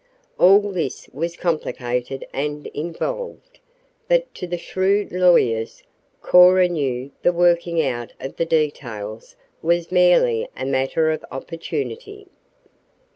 All this was complicated and involved, but to the shrewd lawyers, Cora knew the working out of the details was merely a matter of opportunity.